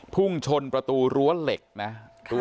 พุ่งชนประตูรั้วเหล็กนะ